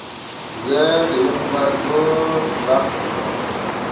زه د یخو بادیو غږ خوښوم.